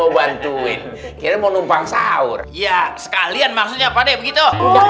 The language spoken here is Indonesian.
bantuin kira kira mau numpang sahur ya sekalian maksudnya pada begitu